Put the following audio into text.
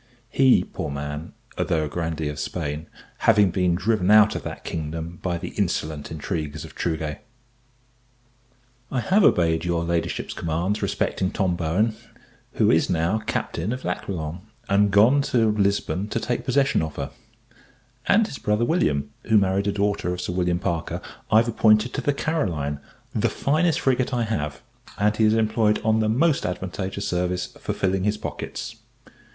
He, poor man! although a Grandee of Spain, having been driven out of that kingdom by the insolent intrigues of Truguet. I have obeyed your Ladyship's commands respecting Tom Bowen, who is now Captain of L'Aquilon, and gone to Lisbon to take possession of her; and his brother William, who married a daughter of Sir William Parker, I have appointed to the Caroline, the finest frigate I have, and he is employed on the most advantageous service for filling his pockets.